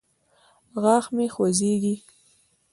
غاښ مو خوځیږي؟